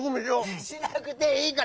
しなくていいから！